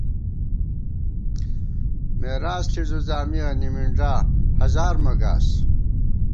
مېراث ݪی زُوزامِیہ، نِمِنݮا ہزار مہ گاس